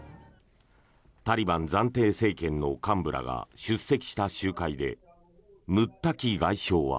タリバン暫定政権の幹部らが出席した集会でムッタキ外相は。